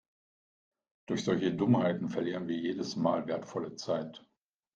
Durch solche Dummheiten verlieren wir jedes Mal wertvolle Zeit.